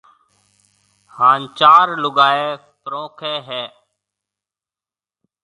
ھان چار لوگائيَ پرونکيَ ھيََََ